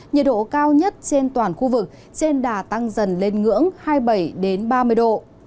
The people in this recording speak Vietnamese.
nhiệt độ cao nhất trên toàn khu vực trên đà tăng dần lên ngưỡng hai mươi bảy ba mươi độ